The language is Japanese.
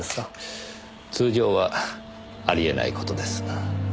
通常はあり得ない事です。